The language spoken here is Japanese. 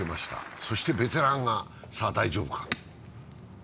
そしてベテランが、さあ大丈夫か。